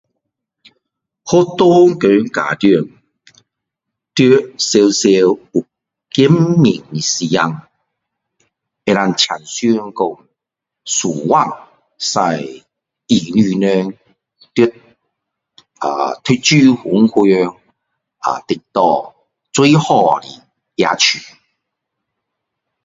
学校和家长要常常有见面的时间可以商量说使到说可以在读书上可以得得到最好的好处